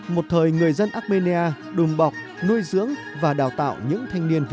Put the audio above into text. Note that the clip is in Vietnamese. một thời người dân armenia đùm bọc nuôi dưỡng và đào tạo những thanh niên sôi nổi